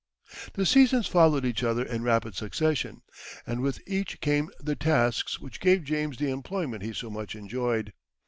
The seasons followed each other in rapid succession, and with each came the tasks which gave James the employment he so much enjoyed.